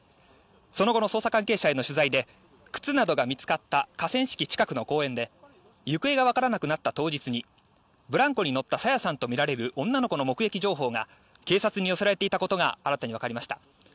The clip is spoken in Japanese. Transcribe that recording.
その後の捜査関係者への取材で靴などが見つかった河川敷近くの公園で行方がわからなくなった当日にブランコに乗った朝芽さんとみられる女の子の目撃情報が警察に寄せられていたことが新たにわかりました。